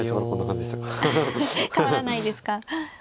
変わらないですか。